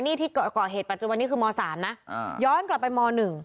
นี่ที่ก่อเหตุปัจจุบันนี้คือม๓นะย้อนกลับไปม๑